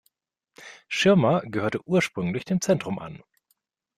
Schirmer gehörte ursprünglich dem Zentrum an.